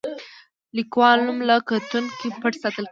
د لیکوال نوم له کتونکو پټ ساتل کیږي.